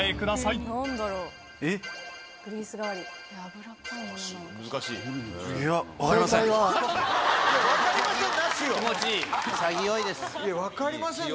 いや分かりません。